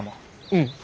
うん。